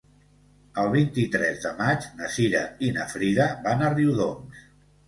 El vint-i-tres de maig na Cira i na Frida van a Riudoms.